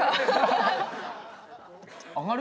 上がる？